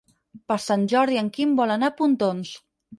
Per Sant Jordi en Quim vol anar a Pontons.